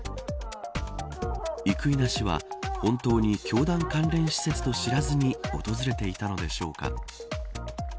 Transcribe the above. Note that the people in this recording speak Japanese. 生稲氏は本当に教団関連施設と知らずに訪れていたのでしょうか。